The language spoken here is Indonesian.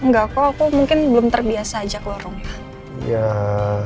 enggak kok aku mungkin belum terbiasa ajak lo rumah